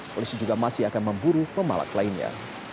polisi juga masih akan memburu pemalak lainnya